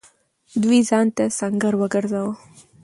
دوی ځان ته سنګر وگرځاوه.